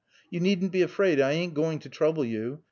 You needn't be afraid; I ain't going to trouble you.